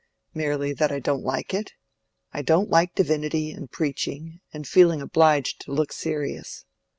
"Merely that I don't like it. I don't like divinity, and preaching, and feeling obliged to look serious.